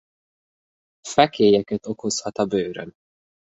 Fekélyeket okozhat a bőrön.